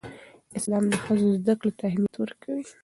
اسلام د ښځو زدهکړې ته اهمیت ورکوي.